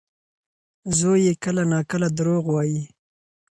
زوی یې کله ناکله دروغ وايي.